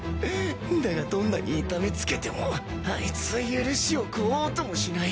だがどんなに痛めつけてもあいつは許しを請おうともしない。